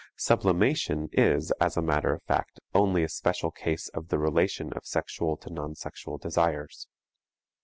Sublimation is, as a matter of fact, only a special case of the relation of sexual to non sexual desires.